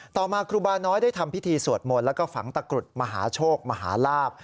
ต่อมาครูบาน้อยได้ทำพิธีสวดมนต์แล้วก็ฝังตะกรุดมหาโชคมหาลาบ